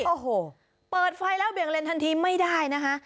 โอ้โหเปิดไฟแล้วเบี่ยงเลนทันทีไม่ได้นะคะ